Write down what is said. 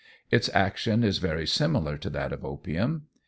Its action is very similar to that of opium.